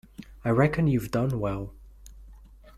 I reckon you’ve done well.